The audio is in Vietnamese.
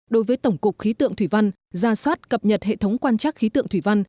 đối với tổng cục khí tượng thủy văn ra soát cập nhật hệ thống quan trắc khí tượng thủy văn